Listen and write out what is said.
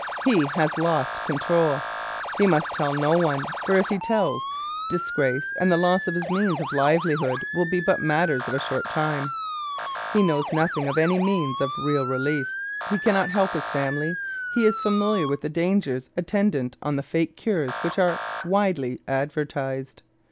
He has lost control. He must tell no one, for if he tells, disgrace and the loss of his means of livelihood will be but matters of a short time. He knows nothing of any means of real relief; he cannot help himself; he is familiar with the dangers attendant on the fake cures which are widely advertised.